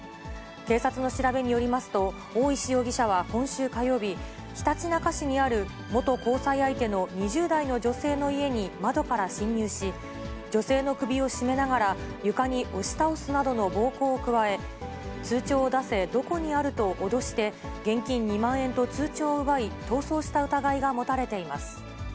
警察の調べによりますと、大石容疑者は今週火曜日、ひたちなか市にある元交際相手の２０代の女性の家に窓から侵入し、女性の首を絞めながら、床に押し倒すなどの暴行を加え、通帳を出せ、どこにあると脅して、現金２万円と通帳を奪い、逃走した疑いが持たれています。